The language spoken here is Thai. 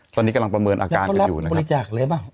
ตอนนี้กำลังประเมินอาการอยู่นะครับยังต้องรับบริจาคเลยป่ะ